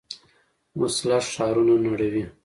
وسله ښارونه نړوي